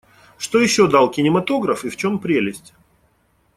Что еще дал кинематограф и в чем прелесть?